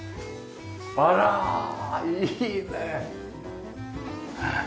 あらいいね！